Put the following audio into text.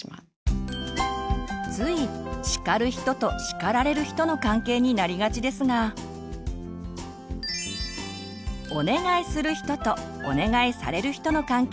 つい「叱る人」と「叱られる人」の関係になりがちですが「お願いする人」と「お願いされる人」の関係を意識して声かけをしてみる。